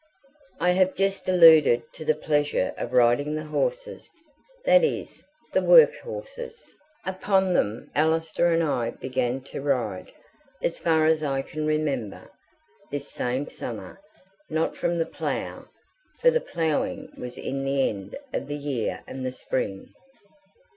I have just alluded to the pleasure of riding the horses, that is, the work horses: upon them Allister and I began to ride, as far as I can remember, this same summer not from the plough, for the ploughing was in the end of the year and the spring.